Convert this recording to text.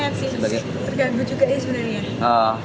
terganggu juga ini sebenarnya